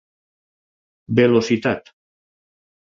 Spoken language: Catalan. Velocitat.